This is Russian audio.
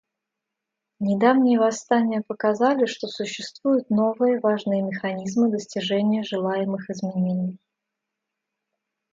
Недавние восстания показали, что существуют новые, важные механизмы достижения желаемых изменений.